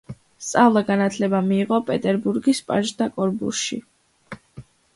სწავლა-განათლება მიიღო პეტერბურგის პაჟთა კორპუსში.